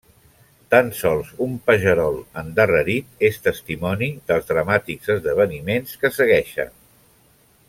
Tan sols un pagerol endarrerit és testimoni dels dramàtics esdeveniments que segueixen.